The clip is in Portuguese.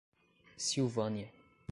Silvânia